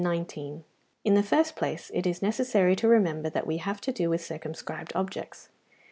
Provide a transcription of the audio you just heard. In the first place, it is necessary to remember that we have to do with circumscribed objects.